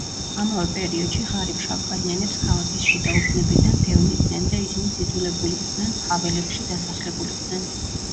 ამავე პერიოდში ღარიბ შავკანიანებს ქალაქის შიდა უბნებიდან დევნიდნენ და ისინიც იძულებულ იყვნენ ფაველებში დასახლებულიყვნენ.